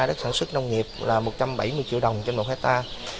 đất sản xuất nông nghiệp là một trăm bảy mươi triệu đồng trong một hết ta